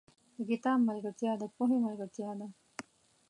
• د کتاب ملګرتیا، د پوهې ملګرتیا ده.